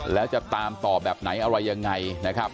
แล้วจะตามต่อแบบไหนอะไรยังไงนะครับ